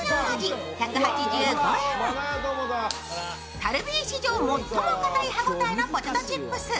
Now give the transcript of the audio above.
カルビー史上最も堅い歯応えのポテトチップス。